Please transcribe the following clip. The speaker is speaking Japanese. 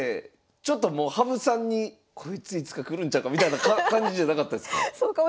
ちょっともう羽生さんにこいついつかくるんちゃうかみたいな感じじゃなかったですか？